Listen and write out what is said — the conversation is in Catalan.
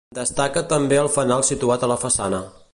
Destaca també el fanal situat a la façana.